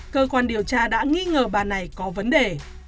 cơ quan điều tra đã nghi ngờ bà này có vấn đề